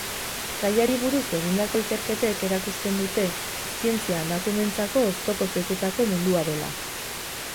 Gaiari buruz egindako ikerketek erakusten dute zientzia emakumeentzako oztopoz betetako mundua dela.